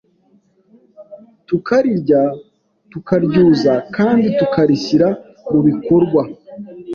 tukarirya, tukaryuza, kandi tukarishyira mu bikorwa,